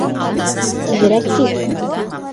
Тиҙерәк кит!